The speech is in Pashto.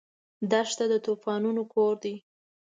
دښته د طوفانونو کور دی.